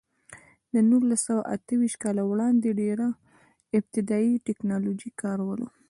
د نولس سوه اته ویشت کال وړاندې ډېره ابتدايي ټکنالوژي کار وله.